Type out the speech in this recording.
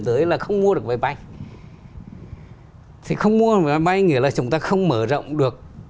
thì không mua máy bay nghĩa là chúng ta không mở rộng được